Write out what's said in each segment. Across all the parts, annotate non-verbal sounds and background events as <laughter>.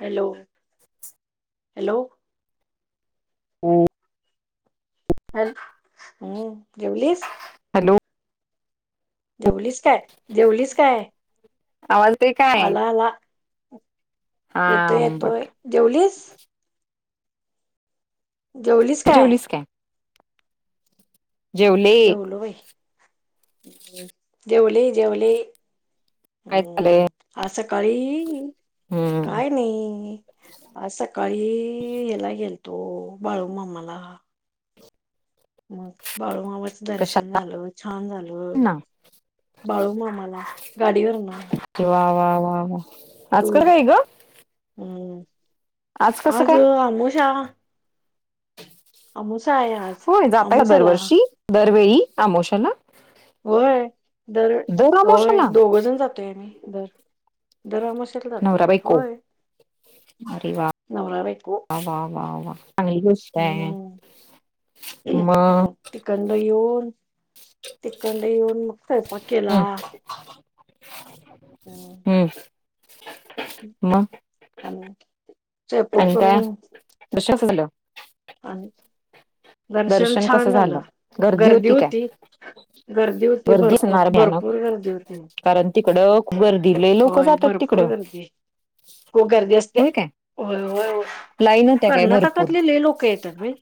Hello <inaudible> hello हो hello हम्म जेवलीस? हॅलो जेवलीच काय जेवलीच काय आवाज येतोय काय? आला आला हा येतोय बघ येतोय, जेवलीस जेवलीस काय? जेवले जेवलो बाई जेवले जेवले काय चालु आहे हम्म आज सकाळी,, हम्म काय नाही आज सकाळी हेला गेलतो बाळूमामाला मग बाळूमामाच कशा दर्शन झालं छान झालं ना बाळू मामाला गाडीवरन वा वा वा वा आज टू कसं वहीलर काय ग? हम् कसं आज काय? आमोशा अमाेशा आहे आज होय जाता का अमुचाला दरवर्षी दरवेळी अमाेशाला होय दर होय दोघं जण जातोय आम्ही दर दर आम नवरा बाईको अरे र वा नवरा बायको वा वा वा वा चांगली गोष्ट आहे हम्म मग तखंड येऊन तखंड येऊन मग फैफ केला. हम्म हम्म मग स्वयंपाक आणि काय करून <unintelligible> दर्षण छान झालं गर्दी होती. गर्दी होती भरपूर असणार भयानक भरपूर गर्दी होती. कारण तिकडं गर्दीले लोक जातात तिकडं. हो गर्दी असते. होय काय? होय होय लाईन होत्या काय भरपूर कर्नाटकातलेले लोक येतात बाई.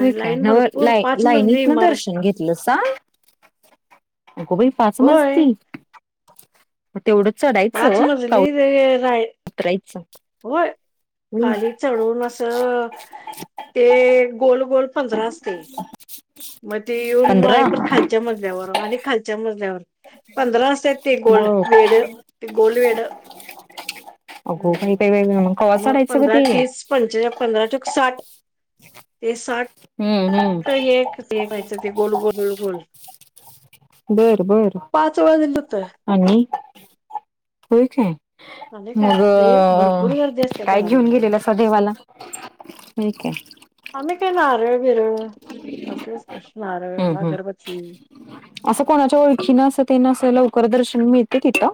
हो काय लाईन न भरपूर ला पाच मजली लाईनीत ना इमारत दर्शन घेतलं सा? होको बाई होय पाचमजती? म तेवढंच चढा पाच मजली राई <unintelligible> होय खाली चढून असं ते गोल गोल पधरा ते मग ते येऊन मग आहे पंधरा प खालच्या मजल्यावर आणि खालच्या मजल्यावर पधरा सह ते गोल बर वेड ते गोलल् वेड. अगो बाई बाई बाई कवा हम् मग चढायचं ग पंधरा ते तीस पं पंधरा चक साठ. ते सठ हम् हम् ते गोल गोल गोल गोल. बरं बर पाच वेळा दिलं तर आणि, होय काय. आणि काय मग लय भरपूर गर्दी असते काय घेऊन बाळा गेलेलं आ सध वाला ठीक आहे. आम्ही काही नारळ विरळ असलच किसणारार हम्म हम्म अगरबती असं कोणाच्या ओळखीनं असं तेन असं लवकर दर्शन मिळते तिथं?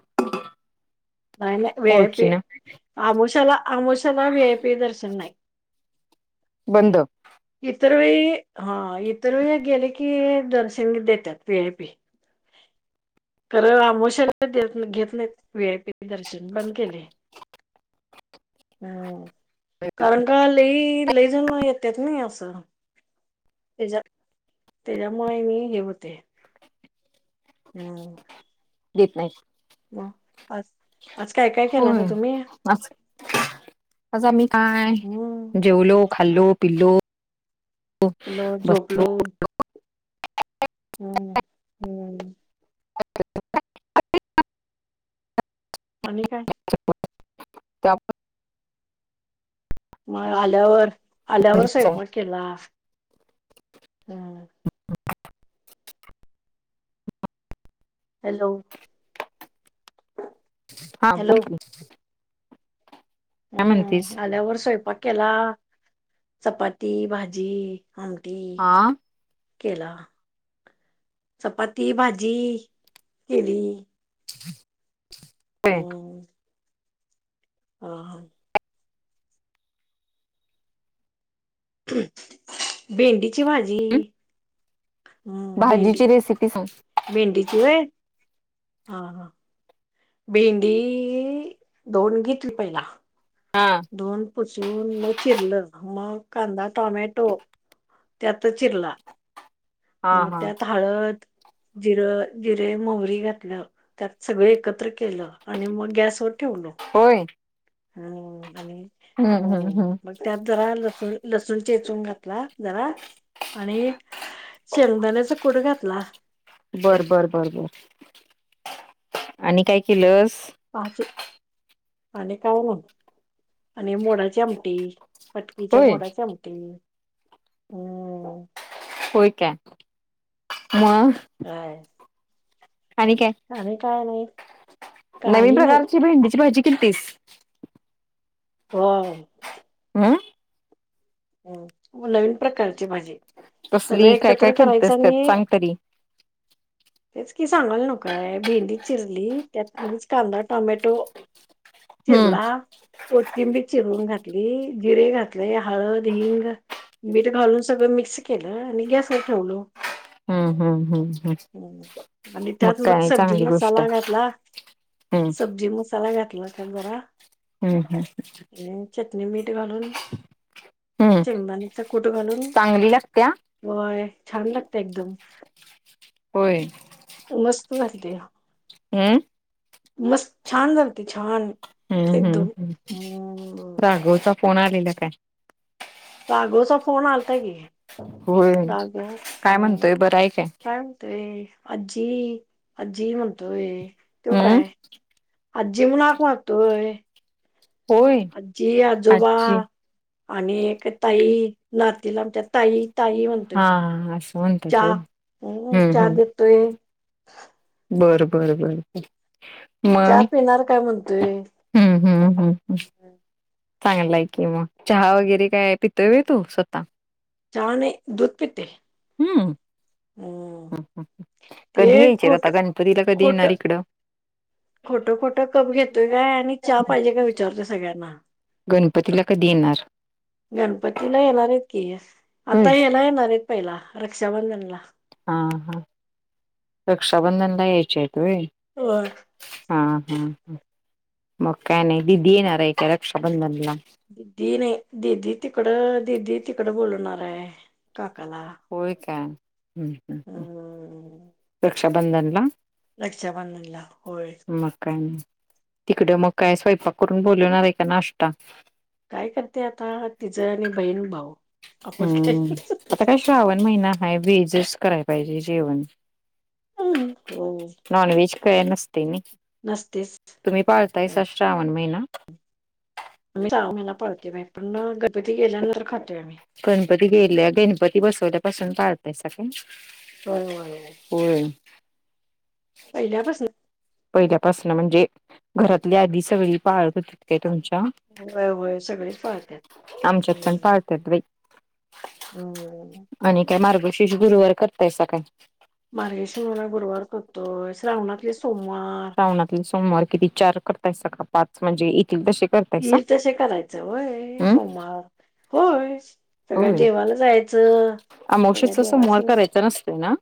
नाही नाही वआयपी ओळखीनं आमूशला आमूशला वीआय पी दर्शन नाही. बंद इतर वेळी हा इतर वेळी गेले की दर्शंगी देतात वी आय पी. खरं आमोशाला देत घेत नाहीत वी आय पी दर्शन बंद केले. हम् ओक कारण का लई लई जाण येतेत नाही असं. त्याच्या त्याच्या माय मी घेवते. हम् <unintelligible> हो आज आज काय काय होय केलासा तुम्ही? आज म्ही काय हम्म जेवलो, खाल्लो, पिलो पिलो बस झोपलो <unintelligible> हम्म हम्म अ <unintelligible> आणि काय? त्या म आल्यावर, आल्यावर घरीच आहे. स्वयंपाक केला, हम. ह <unintelligible> हॅलो? हा, बोल हॅलो कि. काय म्हणतीस? हम्म आल्यावर स्वयंपाक केला, चपाती भाजी, आमटी हा केला, चपाती भाजी केली. <unintelligible> <inaudible> हम. हा हा. ह्म, भेंडीची भाजी भाजीची रेसिपी सांग. भिंडीची व्हय? हा हा. भेंडीई ई धुऊन घेतली पहिला हा. धुवून पुसून, मग चिरलं, मग कांदा टोमॅटो त्यात चिरला हा मग हा त्यात हळद, जिरं-जिरे, मोहरी घातलं. त्यात सगळं एकत्र केलं आणि मग गॅसवर ठेवलो. होय ह्म आणि हम्म हम्म ह्म हम्म मग त्यात जरा लसून-लसूण चेचून घातला जरा आणि शेंगदाण्याचा कुट घातला. बरं-बर, बरं-बर आणि काय केलंस? पाच पाने कावरून आणि मोडाची आमटी, पटकीच्या होय मोडाची आमटी ह्म. होय का? मग काय? आणि काय, आणि काय नाही नवीन काही नाही प्रकारची भेंडीची भाजी केलतीस? ह्म. हम्म ह्म नवीन प्रकारची भाजी. सगळं कसली काय काय एकत्र करायचं केलंस त्यात आणि सांग तरी तेच की सांगाल नकोय भेंडी चिरली त्यात लगेच कांदा टोमॅटो हम्म चिरला कोथिंबीर चिरवून घातली, जिरे घातलेय, हळद हींग, मीठ घालून सगळं मिक्स केलं आणि गॅसवर ठेवलो. हम्म हम्म हम्म हम्म. ह आणि त्यात मग काय सब्जी चांगली गोष्ट मसाला आहे. घातला. हम्म सब्जी मसाला घातला त्यात जरा. हम्म हम्म. चटनी मीठ घालून हम्म. शेंगदाण्याचा कुट घालून, चांगली लागत्या वय छान लागत एकदम. होय. मस्त घालते या. हम्म. मस्त छान झालते छान हम्म हम्म एकदम हम्म. हम्म. राघवचा फोन आलेल काय? कागोचा फोन आलताय कि. होय काय म्हणतोय बरं आहे काय? काय म्हणतोय आजी आजी म्हणतोय तो हम्म काय. अज्जी म्हुण हाक मरतो. होय आजी आजोबा आज्जी. आणि <unintelligible> एक टाईम ताई नातीला आमच्या ताई ताई चालू हे म्हणतोय हा हा. होताच चहा हम्म चहा हम्म. देतोय <unintelligible> बर बर बर. चहा पिणार काय म्हणतोय. हम्म हम्म हम्म हम्म. चांगलाय की मग चहा वगैरे काय पि तोवय तू स्वतः चाहा नही दुध पिते. हम्म. हम्म ते कधीयायचीग खोट आता गणपतीला कधी खोट येणार इकडं. खोटं खोटं कप घेतोय काय आणि चहा पाहिजे काय विचारतोय सगळ्यांना. गणपतीला कधी येणार? गणपतीला येणार आहेत की स आता होय ऐला येणार आहेत. पहिला रक्षाबंधन ला. हा हा रक्षाबंधनला यायचे हेत वय. होय हा हा ह मकाय नाही दीदी येनार का रक्षा बंद नला. दिदी नाही ददी तिकडं दिदी तिकडं बोलणार आहे काकाला. होय का हम्म हम्म हम्म रक्षाबंधनला. रक्षाबंधन ला होय. मग काय नाही तिकड मग काय स्वयंपाक करून बोलवणार हे का नाष्ट्ता. काय करते आता तिचं आणि बहीण भाऊ आपण काय श्रावन महिना हा वेजस कराय पाहिजे जेवण. हम्म हो. नाॉन वेज काय नसते नई नसतेस. तुम्ही पाळतायस श्रावण महिना. आम्ही सहा महिना पळते बाई पण गणपती गेल्यानंतर खातोय आम्ही. गणपती गेल्या गणपती बसवल्यापासून पाहताय स का. होय. होय. पहिल्यापासून. पहिल्यापासन म्हणजे घरातली आधी सगळी पाळत हो तितके तुमच्या. व्हय व्हय सगळेच पाळत्यात हम्म. त्यात बई हम्म आणि काय मार्गशीिष गुरुवार करताय स काय. मार्गेशी म्हणला गुरुवार करतोय श्रावणातले सोमवार. पावणातले सोमवार किती चार करताय सका पाच म्हणजे ईथील तशे. येईल तसे करायचं व्हय सोमवार होय. सगळ्या होय देवाला जायचं. सगळ्या देवासनी तेन असतय ना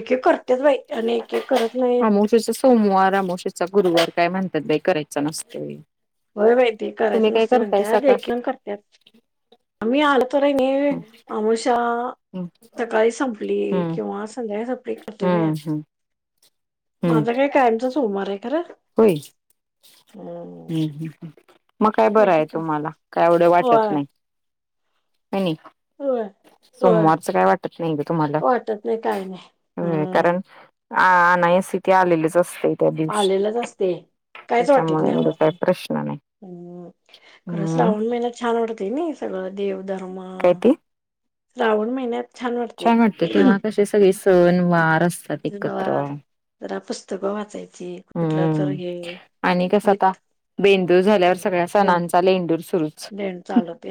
एक -एक करतेत बाई. अण एक -एक करत नाही. आमोशेचा सोमवार अमवशेचा गुरुवार काय म्हणतात बाई करायच नसतय. होय बाई ते करायचं नसते म्हणतात. सकाळ देखील करतात. आम्ही आलतु रयनी हम्म अमुशा सकाळी संपली. हम्म किंवा संध्या संपली. करतो बाई हम्म आम्ही. हम्म हम्म माझा काय कायमचा सोमवारे खरं. होय हम्म हम्म. मग काय असं बरंय काय तुम्हाला. काय एवढं वाटत होय नाही. कणी. होय होय सोमवारचं काय वाट त नाही ग तुम्हाला. वाटत नाही काय नाही हम्म कारण आ आन्या स्थीथी आलेलीच असतेय. आलेलच असतय. कायच वाटत त्याच्यामुळे नाही एवढं आम्हाला. काही प्रश्न नाही हम्म खरं हम्म श्रावण महिन्यात छान वाटत नाही सगळं. देवधर्म काय ते श्रावण महिन्यात छान वाटतें. तेव्हा कसे सगळे सण वार असतात एकत्र. जरा पुस्तकं वाचायची. कुठलं तर हम्म हे. आणि कसं मी आता बेंदूर झाल्यावर सगळ्या सणांचा लेंडूर सुरूच. न चालवते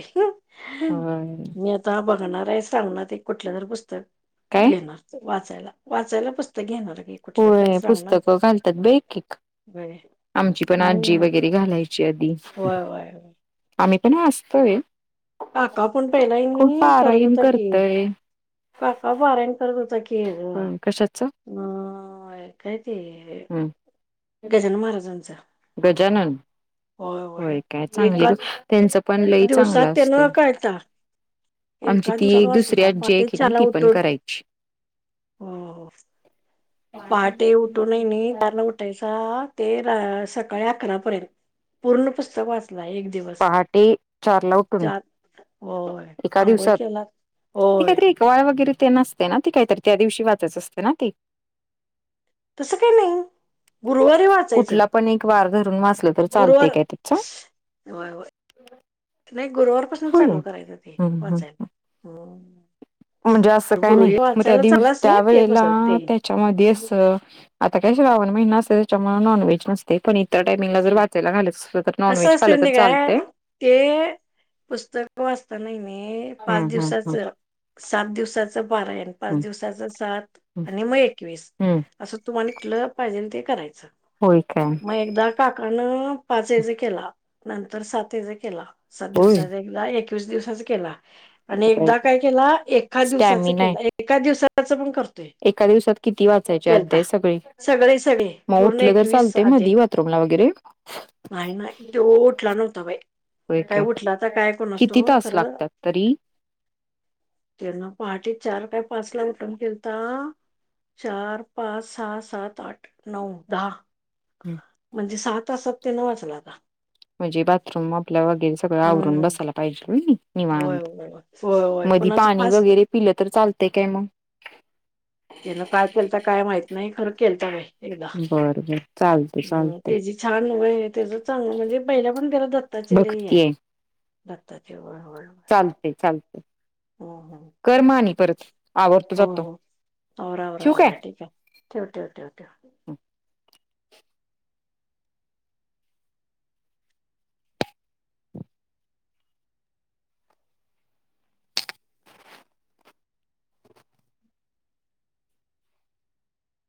होय <unintelligible> आता बघणारे. श्रावणात एक कुठलं तरी पुस्तक काय घेणार वाचायला. वाचायला पुस्तक घेणार गे. होय पुस्तकं घालतात बाई एक- एक. होय. आमची पण आजी वगैरे घालायची आधी. व्हय व्हय व्हय. आम्ही पण वासतोय. काका पण पहिलाहीनी करत पारायण होता की. करतय काका पारायण करत होता की ग. होय कशाच? अ काय ते. हम्म गजानन महाराजांचं. गजानन. होय काय चांगली एका ग त्यांचं पण लय दिवसात चांगलं त्यान असतय. कळता आमची एका ती दिवसात एक दुसरी वाचला आजी पहाटे हायकीनी चारला ती पण उठून करायची. हो हो. पहाटे उठूनयनी चारला उठ सहा ते सकाळी अकरा पर्यंत पूर्ण पुस्तक वाचला. एक दिवस. पहाटे चारला उठून चार. होय. आंघोळ केलात <unintelligible> पोळ्या वगैरे तेन असते ना. ते काहीतरी त्या दिवशी वाचायचं असतय ना ते. तसं काही नाही गुरुवारी <inaudible> वाचायचं कुठला पण एक वार धरून वाचलं तर चालतय गुरुवार काय त्याच. होय होय. नाही गुरुवारपासून होय चालू करायच ते. हम्म हम्म वाचायला. हो. म्हणजे असं काही नाही. मग त्या दिव चालू असते त्या ते वेळेला पुस्तक ते त्याच्यामध्ये अस आता काय श्रावण महिना असतय. त्यामुळ नॉनव्हेज नस ते पण इतर टामिंगला जर असे वाचायला घ्यायच असल तर, कसं नॉनव्हेज असते खालं तर म्हणजे काय चालतंय? ते पुस्तक वाचताना नेहमी पाच हम्म हम्म हम्म दिवसाचं सात दिवसाच पारायण. पाच हम्म दिवसाच सात हम्म. आणि मग एकवीस. हम्म असं तुम्हाला कुठलं पाहिजेल ते करायचं होय काय मग एकदा काकानं पाच येज केला नंतर सात यच केला सात होय दिवसाच एक एकवीस दिवसाच केला आणि एकदा काय केला एका दिवसाच स्टॅमिना आहे. केला. एका दिवसाचं पण करतो! एका दिवसात किती वाचायचे अध्याय सगळी सगळे सगळे मग पूर्ण उठलं तर एकवीस चालते आजे मधी वा रूमला वगैरे नाही नाही त्यो उठला नव्हता बाय काय उठलाता काय कुणास किती ठावं तास खरं... लागतात तरी तेन पहाटे चार काय पाच ला उठून केलता! चार पाच सहा सात आठ नऊ दहा हम! म्हणजे सहा तासात त्यानं वाचला आता म्हणजे बाथरूम आपल्या वगैर सगळं आवरून हम्म बसायला पाहिज कणी होय निवांत होय होय होय मधी कोणाच पाणी फास्ट वगैरे पिलं तर चालतय काय मग तिनं काय केलता काय माहित नाही खरं केलता बाई बरं बरं ह त्येजी छान व्हय त्याच चांगलं म्हणजे पहिला पण त्याला दत्ताची लई हे हाय <inaudible> दत्ताची ओढ व्हय चालतंय चालतंय... कर मग आणि परत आवरतो हो जातो हो ठेऊ काय ठेवं ठेवं ठेवं ठेवं